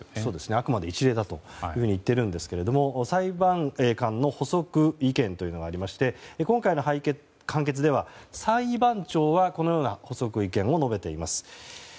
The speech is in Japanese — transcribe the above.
あくまで一例だと言っているんですけども裁判官の補足意見というのがありまして今回の判決では、裁判長はこのような補足意見を述べています。